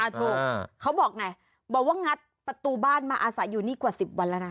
ถูกเขาบอกไงบอกว่างัดประตูบ้านมาอาศัยอยู่นี่กว่า๑๐วันแล้วนะ